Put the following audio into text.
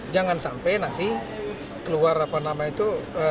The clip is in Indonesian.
jangan sampai nanti keluar apa nama itu